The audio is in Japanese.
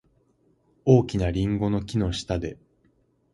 大きなリンゴの木の下で。